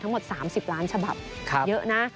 ทั้งหมด๓๐ล้านฉบับเยอะนะ